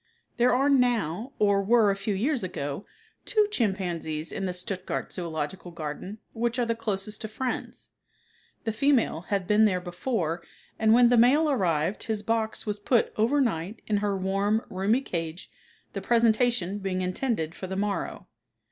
There are now, or were a few years ago, two chimpanzees in the Stuttgart zoological garden, which are the closest of friends. The female had been there before and when the male arrived his box was put over night in her warm, roomy cage the presentation being intended for the morrow.